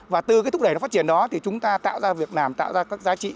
và từ cái thúc đẩy nó phát triển đó thì chúng ta tạo ra việc làm tạo ra các giá trị